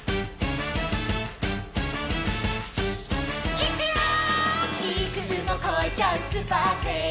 「いくよー！」